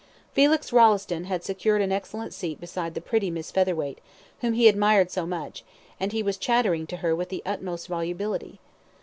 Felix Rolleston had secured an excellent seat beside the pretty Miss Featherweight, whom he admired so much, and he was chattering to her with the utmost volubility.